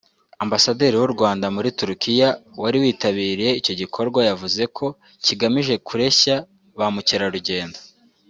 Ambasaderi w’u Rwanda muri Turukiya wari witabiriye icyo gikorwa yavuze ko kigamije kureshya ba mukerarugendo